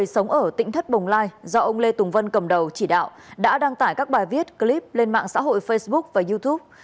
các bồng lai do ông lê tùng vân cầm đầu chỉ đạo đã đăng tải các bài viết clip lên mạng xã hội facebook và youtube